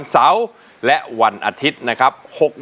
สวัสดีครับ